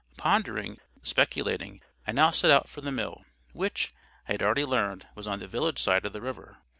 Pondering, speculating, I now set out for the mill, which, I had already learned, was on the village side of the river.